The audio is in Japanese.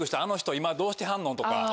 今どうしてはんの？とか。